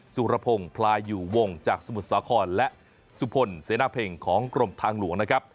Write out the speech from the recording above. สุรพงศ์พลายอยู่วงจากสมุทรสาครและสุพลเสนาเพ็งของกรมทางหลวงนะครับ